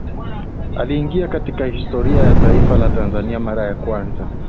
Aliingia katika historia ya taifa la Tanzania mara ya kwanza